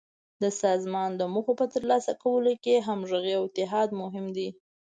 د سازمان د موخو په تر لاسه کولو کې همغږي او اتحاد مهم دي.